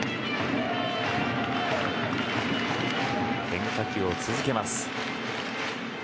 変化球を続けます。